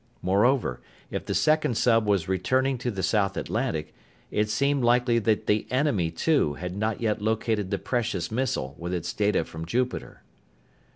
Moreover, if the second sub was returning to the South Atlantic, it seemed likely that the enemy, too, had not yet located the precious missile with its data from Jupiter.